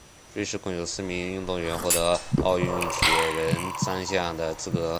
瑞士共有四名运动员获得奥运铁人三项的资格。